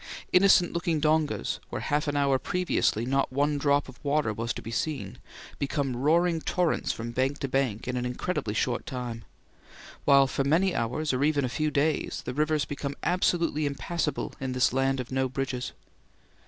Innocent looking dongas, where half an hour previously not one drop of water was to be seen, become roaring torrents from bank to bank in an incredibly short time; while for many hours or even a few days the rivers become absolutely impassable in this land of no bridges.